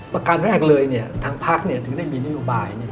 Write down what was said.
ประการแรกเลยทั้งภาคถึงได้มีนิวบาย